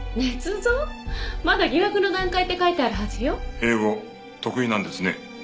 英語得意なんですね。